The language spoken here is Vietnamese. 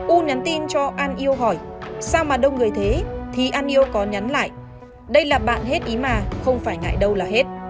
u nhắn tin cho an yêu hỏi sao mà đông người thế thì an yêu có nhắn lại đây là bạn hết ý mà không phải ngại đâu là hết